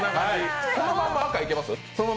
このまんま赤いきます。